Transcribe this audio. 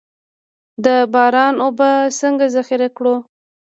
د باران اوبه څنګه ذخیره کړو؟